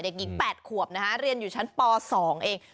เด็กหญิง๘ขวบนะฮะเรียนอยู่ชั้นป๒เอง